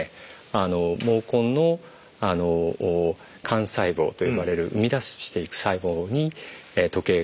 あの毛根の幹細胞と呼ばれる生み出していく細胞に時計が非常に深く関わっていると。